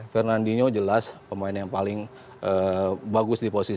fernandinho jelas pemain yang paling bagus di posisi ini